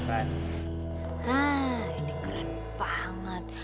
haa ini keren banget